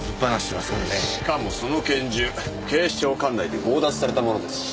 しかもその拳銃警視庁管内で強奪されたものですし。